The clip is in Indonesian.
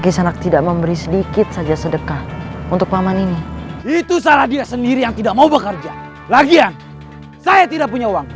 sampai jumpa di video selanjutnya